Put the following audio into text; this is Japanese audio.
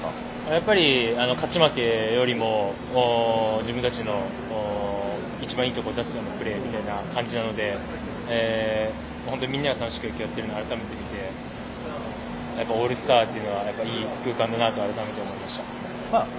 やっぱり勝ち負けよりも自分たちの一番いいところを出すプレーという感じなので本当にみんなが楽しくしているのを見て、改めてオールスターというのはいい空間だなと改めて思いました。